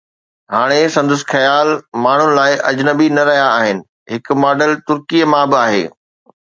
هاڻي سندس خيال ماڻهن لاءِ اجنبي نه رهيا آهن، هڪ ماڊل ترڪي مان به آهي.